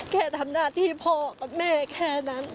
แค่ทำหน้าที่พ่อกับแม่แค่นั้น